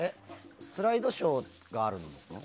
スライドショーがあるんですか？